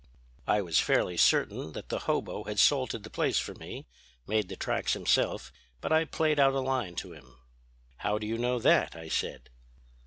"I was fairly certain that the hobo had salted the place for me, made the tracks himself; but I played out a line to him. "'How do you know that?' I said.